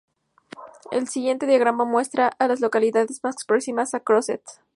El siguiente diagrama muestra a las localidades más próximas a Crozet.